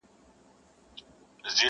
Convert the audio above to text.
پاچاهان د يوه بل سيمو ته غله وه!.